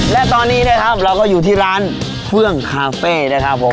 และตอนนี้นะครับเราก็อยู่ที่ร้านเครื่องคาเฟ่นะครับผม